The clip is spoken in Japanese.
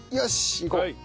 いこう。